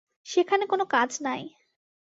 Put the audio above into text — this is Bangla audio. সেখানে কোনো কাজ নাই।